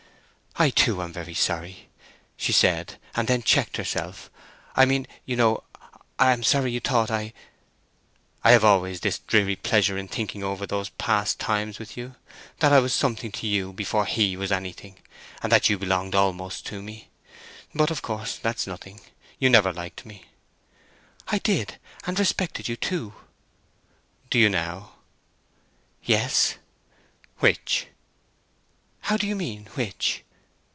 "I, too, am very sorry," she said, and then checked herself. "I mean, you know, I am sorry you thought I—" "I have always this dreary pleasure in thinking over those past times with you—that I was something to you before he was anything, and that you belonged almost to me. But, of course, that's nothing. You never liked me." "I did; and respected you, too." "Do you now?" "Yes." "Which?" "How do you mean which?"